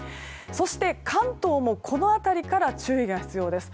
そして、関東もこの辺りから注意が必要です。